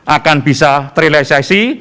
akan bisa terrealisasi